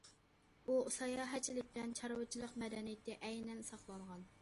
ئۇ ساياھەتچىلىك بىلەن چارۋىچىلىق مەدەنىيىتى ئەينەن ساقلانغان.